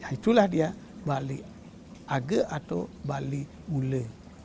itulah dia bali age atau bali bule